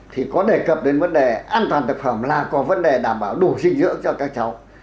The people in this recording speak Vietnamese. thì có đề cập đến vấn đề an toàn thực phẩm là có vấn đề đảm bảo đủ dinh dưỡng cho các cháu